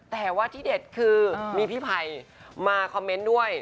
แต่ว่าที่เด็ดคือมีพี่ไผ่มาคอมเมนต์ด้วย